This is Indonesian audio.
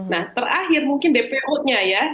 nah terakhir mungkin dpo nya ya